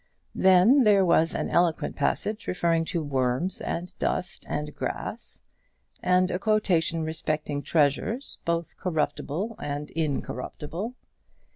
Then there was an eloquent passage referring to worms and dust and grass, and a quotation respecting treasures both corruptible and incorruptible.